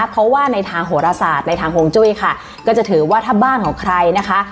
เพราะว่าในทางโหรศาสตร์ในทางห่วงจุ้ยค่ะก็จะถือว่าถ้าบ้านของใครนะคะ